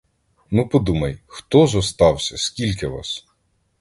Ну подумай, хто зостався, скільки вас?